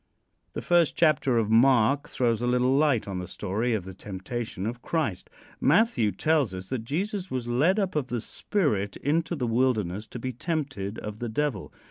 The first chapter of Mark throws a little light on the story of the temptation of Christ. Matthew tells us that Jesus was led up of the Spirit into the wilderness to be tempted of the Devil.